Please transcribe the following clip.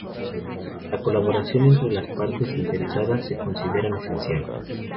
La colaboración entre las partes interesadas se considera esencial.